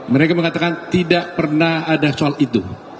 mereka mengatakan tidak pernah ada soal itu